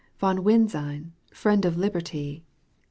Von Wisine, friend of liberty.